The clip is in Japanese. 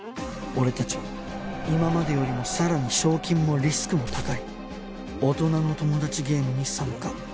俺たちは今までよりもさらに賞金もリスクも高い大人のトモダチゲームに参加